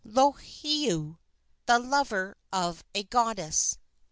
LOHIAU, THE LOVER OF A GODDESS.